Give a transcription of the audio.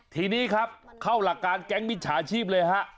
ทีนี้ครับเข้าหลักการแก๊งมิจฉาชีพเลยฮะ